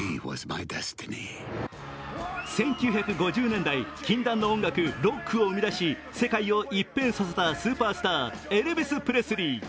１９５０年代、禁断の音楽、ロックを生み出し世界を一変させたスーパースター、エルヴィス・プレスリー。